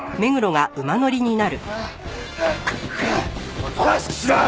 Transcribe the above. おとなしくしろ！